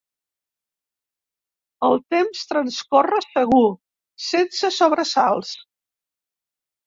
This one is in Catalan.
El temps transcorre segur, sense sobresalts.